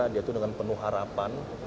dia itu dengan penuh harapan